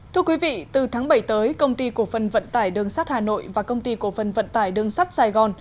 thưa quý vị từ tháng bảy tới công ty cổ phần vận tải đường sắt hà nội và công ty cổ phần vận tải đường sắt sài gòn